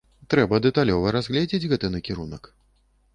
Трэба дэталёва разгледзіць гэты накірунак.